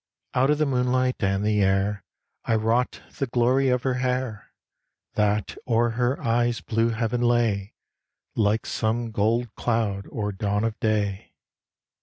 Out of the moonlight and the air I wrought the glory of her hair, That o'er her eyes' blue heaven lay Like some gold cloud o'er dawn of day.